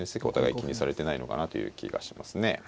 お互い気にされてないのかなという気がしますね。